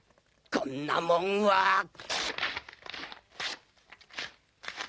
こんなもんはー！